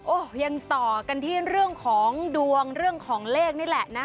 โอ้โหยังต่อกันที่เรื่องของดวงเรื่องของเลขนี่แหละนะ